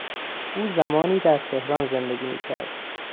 او زمانی در تهران زندگی میکرد.